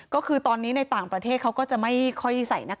ก็คือตอนนี้ในต่างประเทศเขาก็จะไม่ค่อยใส่หน้ากา